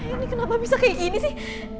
ini kenapa bisa kayak gini sih